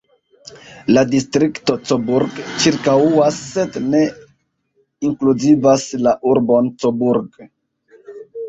La distrikto Coburg ĉirkaŭas, sed ne inkluzivas la urbon Coburg.